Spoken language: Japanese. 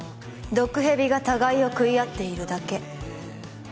毒蛇が互いを食い合っているだけ